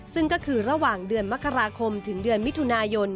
ซึ่งก็คือระหว่างเดือนมกราคมถึงเดือนมิถุนายน